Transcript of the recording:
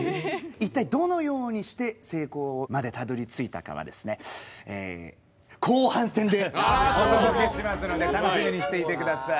一体どのようにして成功までたどりついたかはえ後半戦でお届けしますので楽しみにしていて下さい。